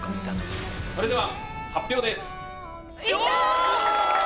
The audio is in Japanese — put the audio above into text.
それでは発表です。